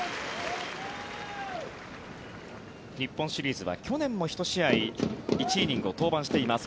日本シリーズは去年も１試合１イニングを登板しています